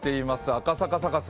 赤坂サカス